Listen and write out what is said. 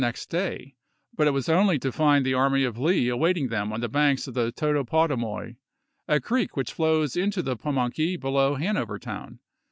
next day ; but it was only to find the army of Lee awaiting them on the banks of the Totopotomoy, a creek which flows into the Pamunkey below Han over Town.